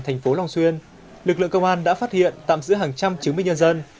thành phố long xuyên lực lượng công an đã phát hiện tạm giữ hàng trăm chứng minh nhân dân